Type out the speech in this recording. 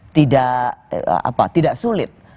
itu tidak apa tidak sulit